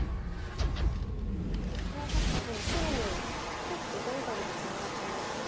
これは確かにでも白も結構大威張りでツナがったような。